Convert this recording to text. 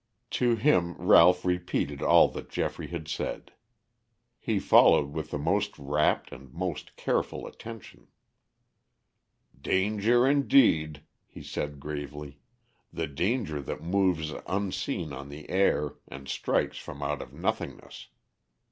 To him Ralph repeated all that Geoffrey had said. He followed with the most rapt and most careful attention. "Danger, indeed," he said gravely, "the danger that moves unseen on the air, and strikes from out of nothingness.